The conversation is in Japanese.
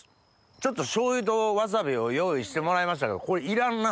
ちょっと醤油とワサビを用意してもらいましたけどこれいらんな。